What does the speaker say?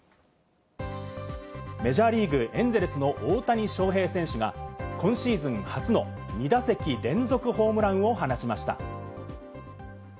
メジャーリーグ・エンゼルスの大谷翔平選手が今シーズン初の２打席連続ホームランを放ちました。